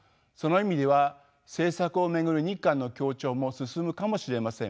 その意味では政策を巡る日韓の協調も進むかもしれません。